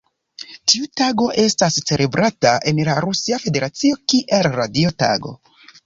Tiu tago estas celebrata en la Rusia Federacio kiel Radio Tago.